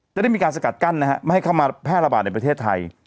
ได้มีการสกัดกั้นนะฮะไม่ให้เข้ามาแพร่ระบาดในประเทศไทย